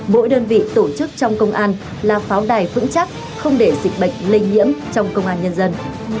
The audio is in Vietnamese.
mỗi đơn vị tổ chức trong công an là pháo đài vững chắc không để dịch bệnh lây nhiễm trong công an nhân dân